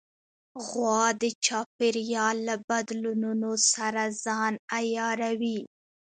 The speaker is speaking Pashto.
غوا د چاپېریال له بدلونونو سره ځان عیاروي.